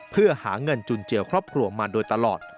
เพื่อหาเงินจุนเจือครอบครัวมาโดยตลอด